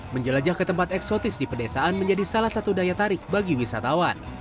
menjelajah ke tempat eksotis di pedesaan menjadi salah satu daya tarik bagi wisatawan